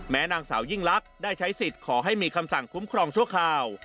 นางสาวยิ่งลักษณ์ได้ใช้สิทธิ์ขอให้มีคำสั่งคุ้มครองชั่วคราว